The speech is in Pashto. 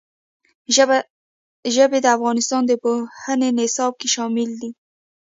ژبې د افغانستان د پوهنې نصاب کې شامل دي.